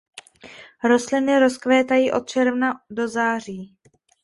Rostliny rozkvétají od června do září.